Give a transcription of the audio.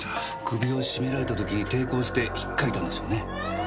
首を絞められた時抵抗して引っかいたんでしょうね。